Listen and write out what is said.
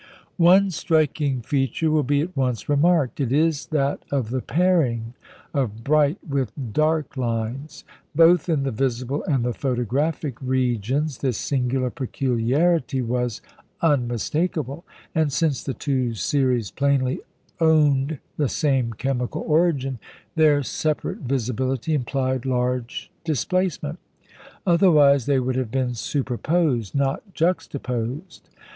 One striking feature will be at once remarked. It is that of the pairing of bright with dark lines. Both in the visible and the photographic regions this singular peculiarity was unmistakable; and since the two series plainly owned the same chemical origin, their separate visibility implied large displacement. Otherwise they would have been superposed, not juxtaposed.